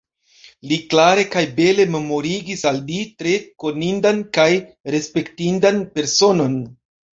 Li klare kaj bele memorigis al ni tre konindan kaj respektindan personon.